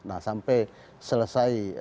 nah sampai selesai